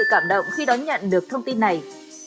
tôi rất thật sự cảm động khi đón nhận được thông tin này